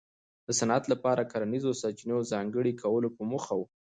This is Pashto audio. د صنعت لپاره کرنیزو سرچینو ځانګړي کولو په موخه و.